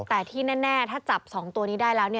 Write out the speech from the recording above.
แต่ที่แน่ถ้าจับ๒ตัวนี้ได้แล้ว